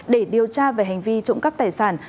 để điều tra về hành vi trụng cấp tài sản